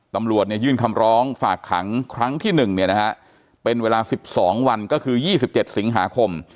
ตำรวจยื่นคำร้องฝากขังครั้งที่๑เป็นเวลา๑๒วันก็คือ๒๗สิงหาคม